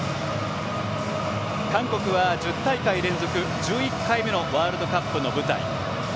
韓国は１０大会連続１１回目のワールドカップの舞台。